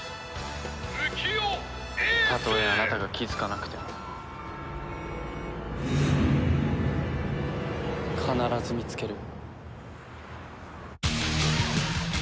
「浮世英寿！」たとえあなたが気づかなくても。必ず見つける。